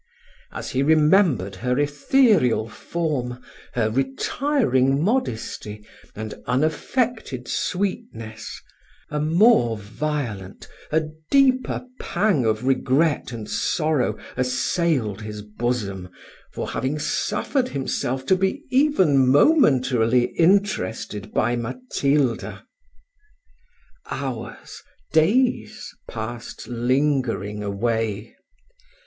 As he remembered her ethereal form, her retiring modesty, and unaffected sweetness, a more violent, a deeper pang of regret and sorrow assailed his bosom, for having suffered himself to be even momentarily interested by Matilda. Hours, days, passed lingering away.